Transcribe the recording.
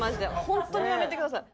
ホントにやめてください。